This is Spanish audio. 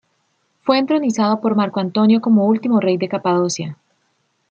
Fue entronizado por Marco Antonio como último rey de Capadocia.